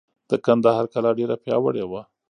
د کندهار کلا ډېره پیاوړې وه.